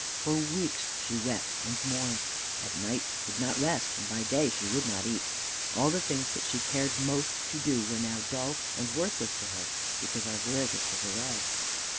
For weeks she wept and mourned. At night she could not rest, and by day she would not eat. All the things that she had cared most to do were now dull and worthless to her because Arviragus was away.